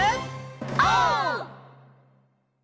オー！